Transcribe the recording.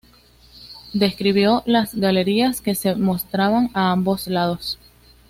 Describió las galerías que se mostraban a ambos lados.